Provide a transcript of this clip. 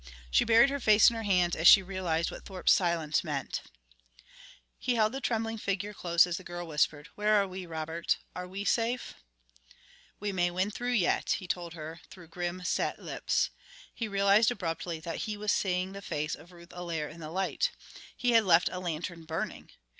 She buried her face in her hands as she realized what Thorpe's silence meant. He held the trembling figure close as the girl whispered: "Where are we, Robert? Are we safe?" "We may win through yet," he told her through grim, set lips. He realized abruptly that he was seeing the face of Ruth Allaire in the light. He had left a lantern burning!